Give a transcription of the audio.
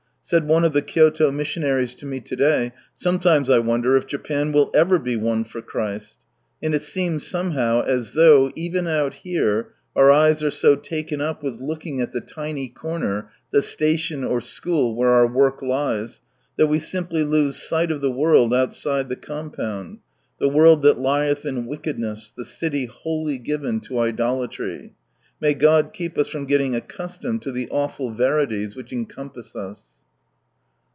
Said one of the Kyoto missionaries to me to day, "Sometimes I wonder if Japan will ever be won for Christ !" And it seems somehow as though, even out here, our eyes are so taken up with looking at the tiny comer, the "station" or "school" where "our work" lies, that we simply lose sight of the world outside the compound — the world that lieth in wickedness, the city " wholly given to idolatry." May God keep us from getting accustomed to the awful verities which encompass us